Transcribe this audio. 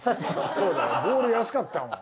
そうだよボール安かったもん。